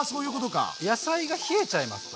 野菜が冷えちゃいますと。